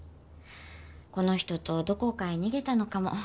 この人とどこかへ逃げたのかも。